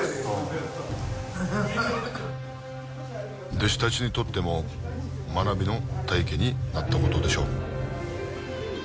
弟子たちにとっても学びの体験になったことでしょう